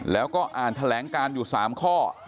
แล้วก็อ่านแถลงการอยู่๓ข้อ